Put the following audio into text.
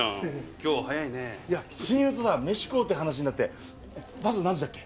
今日は早いねいや親友とさ飯食おうって話になってバス何時だっけ？